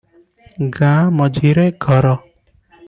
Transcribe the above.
ଗାଁ ମଝିରେ ଘର ।